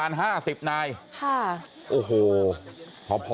กลับไปลองกลับ